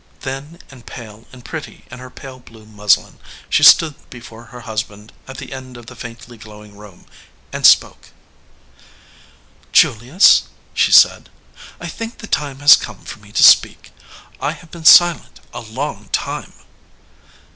Thin and pale and pretty in her pale blue muslin, she stood before her hus 209 EDGEWATER PEOPLE band at the end of the faintly glowing room, and spoke. "Julius," she said, "I think the time has come for me to speak. I have been silent a long time."